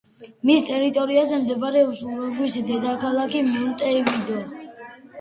მის ტერიტორიაზე მდებარეობს ურუგვაის დედაქალაქი მონტევიდეო.